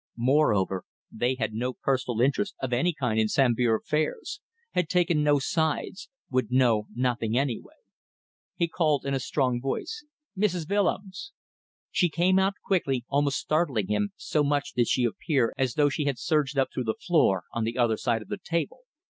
Moreover, they had no personal interest of any kind in Sambir affairs had taken no sides would know nothing anyway. He called in a strong voice: "Mrs. Willems!" She came out quickly, almost startling him, so much did she appear as though she had surged up through the floor, on the other side of the table.